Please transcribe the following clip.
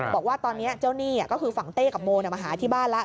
บอกว่าตอนนี้เจ้าหนี้ก็คือฝั่งเต้กับโมมาหาที่บ้านแล้ว